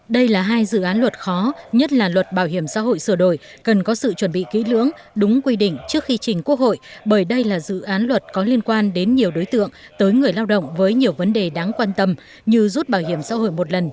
đây là hai dự án luật khó nhất là luật bảo hiểm xã hội sửa đổi cần có sự chuẩn bị kỹ lưỡng đúng quy định trước khi trình quốc hội bởi đây là dự án luật có liên quan đến nhiều đối tượng tới người lao động với nhiều vấn đề đáng quan tâm như rút bảo hiểm xã hội một lần